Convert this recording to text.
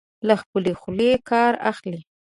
له خپلې خولې کار اخلي.